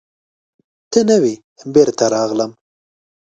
ته نه وې، بېرته راغلم.